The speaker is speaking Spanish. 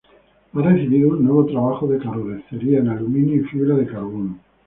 Ha recibido un nuevo trabajo de carrocería en aluminio y fibra de carbono.